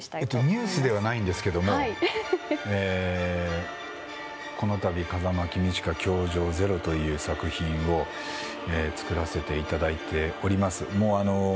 ニュースではないんですがこの度「風間公親‐教場０‐」という作品を作らせていただいております。